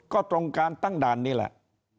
ก็ตรงการตั้งด่านนี่แหละ